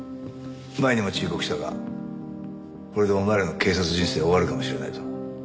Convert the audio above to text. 前にも忠告したがこれでお前らの警察人生終わるかもしれないぞ。